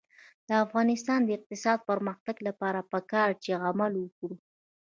د افغانستان د اقتصادي پرمختګ لپاره پکار ده چې عمل وکړو.